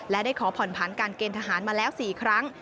และได้ขอผ่อนผันการเกณฑ์ทหารมาแล้ว๔ครั้ง